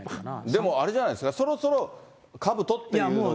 でもあれじゃないですか、そろそろかぶとっていうのは。